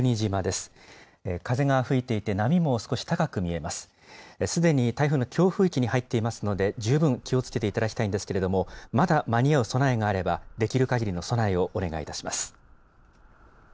すでに台風の強風域に入っていますので、十分気をつけていただきたいんですけれども、まだ間に合う備えがあればできるかぎりの備えをお願いいたします。